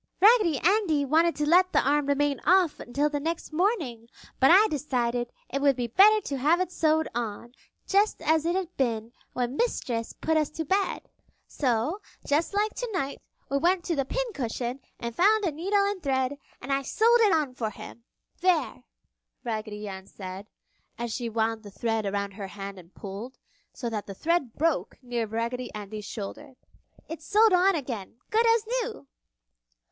"Raggedy Andy wanted to let the arm remain off until the next morning, but I decided it would be better to have it sewed on, just as it had been when Mistress put us to bed. So, just like tonight, we went to the pincushion and found a needle and thread and I sewed it on for him!" "There!" Raggedy Ann said, as she wound the thread around her hand and pulled, so that the thread broke near Raggedy Andy's shoulder. "It's sewed on again, good as new!"